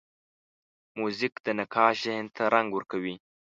موزیک د نقاش ذهن ته رنګ ورکوي.